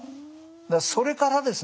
それからですね。